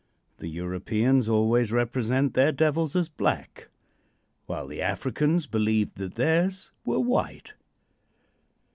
The Europeans always represent their devils as black, while the Africans believed that theirs were white.